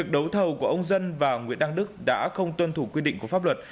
đấu thầu của ông dân và nguyễn đăng đức đã không tuân thủ quy định của pháp luật